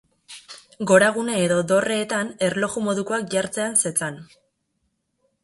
Goragune edo dorreetan erloju modukoak jartzean zetzan.